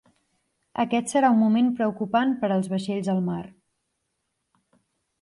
Aquest serà un moment preocupant per als vaixells al mar.